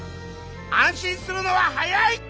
安心するのは早い！